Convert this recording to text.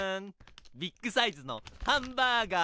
ビッグサイズのハンバーガー。